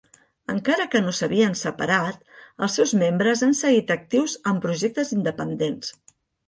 Encara que no s'havien separat, els seus membres han seguit actius amb projectes independents.